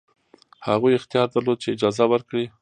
هغوی اختیار درلود چې اجازه ورکړي.